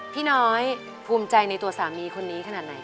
พี่น้อยภูมิใจในตัวสามีคนนี้ขนาดไหน